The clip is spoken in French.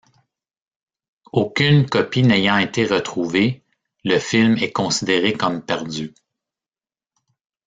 Aucune copie n'ayant été retrouvée, le film est considéré comme perdu.